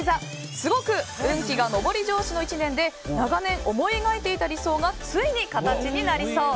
すごく運気が上り調子の１年で長年思い描いていた理想がついに形になりそう。